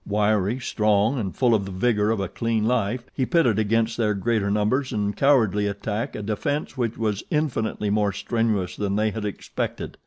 Wiry, strong and full of the vigor of a clean life, he pitted against their greater numbers and cowardly attack a defense which was infinitely more strenuous than they had expected.